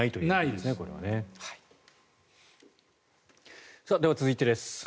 では、続いてです。